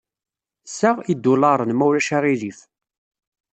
Sa n yidulaṛen, ma ulac aɣilif.